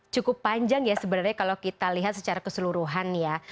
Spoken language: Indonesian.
cukup panjang ya sebenarnya kalau kita lihat secara keseluruhan ya